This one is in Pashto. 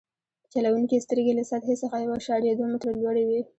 د چلوونکي سترګې له سطحې څخه یو اعشاریه دوه متره لوړې وي